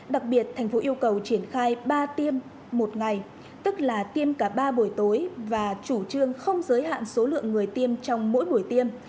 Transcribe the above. đặc biệt thành phố yêu cầu triển khai ba tiêm một ngày tức là tiêm cả ba buổi tối và chủ trương không giới hạn số lượng người tiêm trong mỗi buổi tiêm